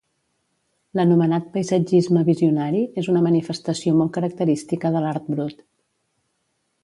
L'anomenat paisatgisme visionari és una manifestació molt característica de l'art brut.